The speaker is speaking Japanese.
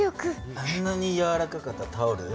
あんなにやわらかかったタオル